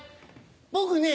僕ね